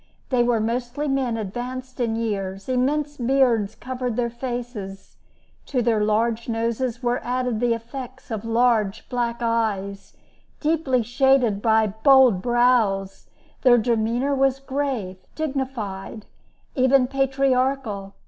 They were mostly men advanced in years; immense beards covered their faces; to their large noses were added the effects of large black eyes, deeply shaded by bold brows; their demeanor was grave, dignified, even patriarchal.